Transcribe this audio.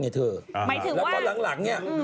หมายถึงว่าแล้วก็หลังเนี่ย